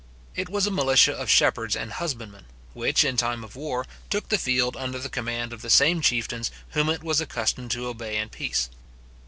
It was a militia of shepherds and husbandmen, which, in time of war, took the field under the command of the same chieftains whom it was accustomed to obey in peace.